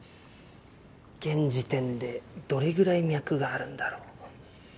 現時点でどれぐらい脈があるんだろう。